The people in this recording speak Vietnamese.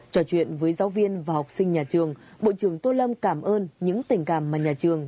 trò chuyện với giáo viên và học sinh nhà trường bộ trưởng tô lâm cảm ơn những tình cảm mà nhà trường